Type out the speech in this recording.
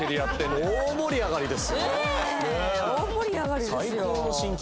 ねえ大盛り上がりですよ。